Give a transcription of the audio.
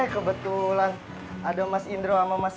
hai hei kebetulan ada mas indro ama mas